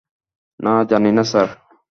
না, জানি না, স্যার।